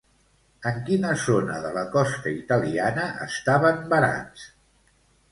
En quina zona de la costa italiana estaven varats?